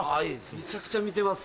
めちゃくちゃ見てます。